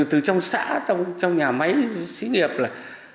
từ trong xã trong nhà máy xí nghiệp là